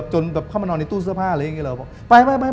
จนแบบเข้ามานอนในตู้เสื้อผ้าอะไรอย่างนี้เหรอ